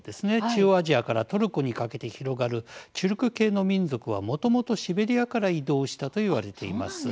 中央アジアからトルコにかけて広がるチュルク系の民族はもともとシベリアから移動したといわれています。